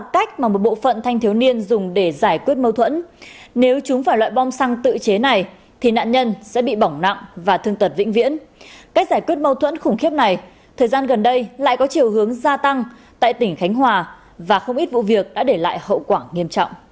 các bạn hãy đăng ký kênh để ủng hộ kênh của chúng mình nhé